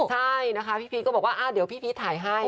ใช่นะคะพี่พีชก็บอกว่าเดี๋ยวพี่พีชถ่ายให้